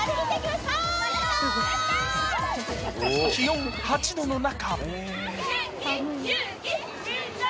気温８度の中